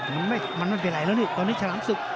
มันเป็นไรแล้วนี่ตอนนี้ชะลังศึก